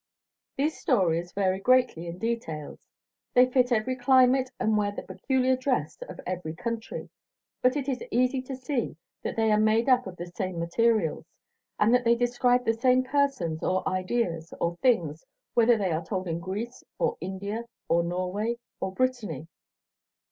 These stories vary greatly in details; they fit every climate and wear the peculiar dress of every country; but it is easy to see that they are made up of the same materials, and that they describe the same persons or ideas or things whether they are told in Greece or India or Norway or Brittany.